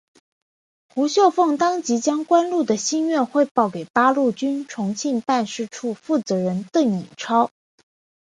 胡绣凤当即将关露的心愿汇报给八路军重庆办事处负责人邓颖超。